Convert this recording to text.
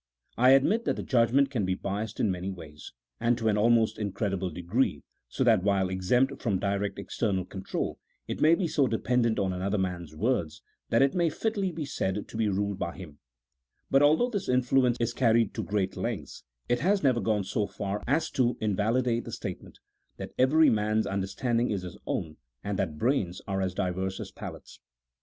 I admit that the judgment can be biassed in many ways, and to an almost incredible degree, so that while exempt from direct external control it may be so dependent on another man's words, that it may fitly be said to be ruled by him ; but although this influence is carried to great lengths, it has never gone so far as to invalidate the state ment, that every man's understanding is his own, and that brains are as diverse as palates.